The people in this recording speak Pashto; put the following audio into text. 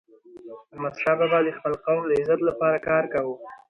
احمدشاه بابا د خپل قوم د عزت لپاره کار کاوه.